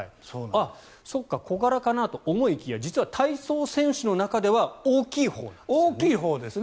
そうか、小柄かなと思いきや実は体操選手の中では大きいほうなんですね。